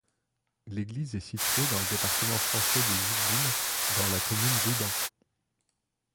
L'église est située dans le département français des Yvelines, dans la commune d'Houdan.